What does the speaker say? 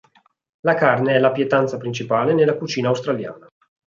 La carne è la pietanza principale nella cucina australiana.